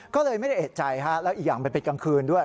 ก็เลยไม่ได้เอกใจแล้วอีกอย่างมันเป็นกลางคืนด้วย